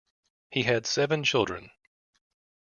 He had seven children.